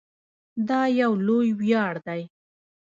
دا یو لوی ویاړ دی.